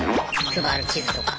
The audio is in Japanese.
配る地図とか。